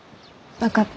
分かった。